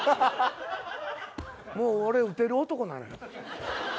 もう俺打てる男なのよ。